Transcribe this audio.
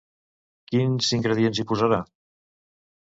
Quins ingredients hi posarà?